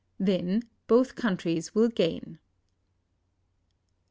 Then both countries will gain.